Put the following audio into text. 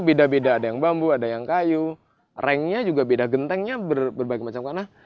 beda beda ada yang bambu ada yang kayu rengnya juga beda gentengnya berbagai macam tanah